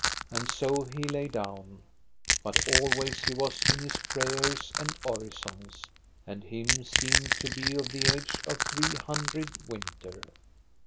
And so he lay down, but always he was in his prayers and orisons; and him seemed to be of the age of three hundred winter.